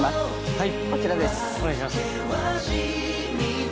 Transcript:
はい。